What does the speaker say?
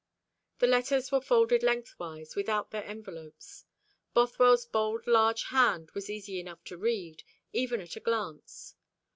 The letters were folded lengthwise, without their envelopes. Bothwell's bold large hand was easy enough to read, even at a glance.